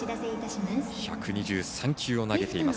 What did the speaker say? １２３球を投げています